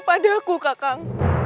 pada aku kakak